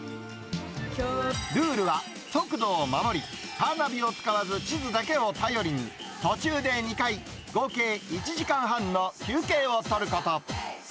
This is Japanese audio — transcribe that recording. ルールは、速度を守り、カーナビを使わず地図だけを頼りに、途中で２回、合計１時間半の休憩をとること。